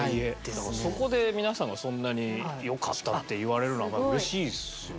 だからそこで皆さんがそんなに良かったって言われるのはうれしいっすよね。